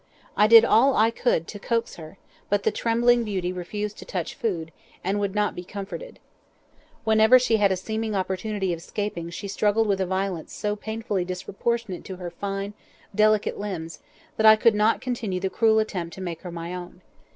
I did all I could to coax her, but the trembling beauty refused to touch food, and would not be comforted. Whenever she had a seeming opportunity of escaping she struggled with a violence so painfully disproportioned to her fine, delicate limbs, that I could not continue the cruel attempt to make her my own.